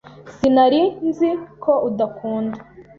Sinari nzi ko udakunda .